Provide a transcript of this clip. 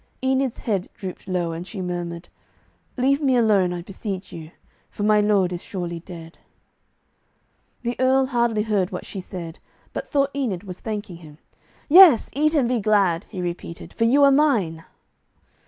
Enid's head drooped lower, and she murmured, 'Leave me alone, I beseech you, for my lord is surely dead.' The Earl hardly heard what she said, but thought Enid was thanking him. 'Yes, eat and be glad,' he repeated, 'for you are mine.'